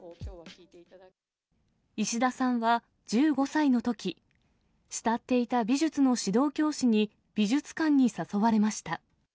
石田さんは１５歳のとき、慕っていた美術の指導教師に美術館に誘われました。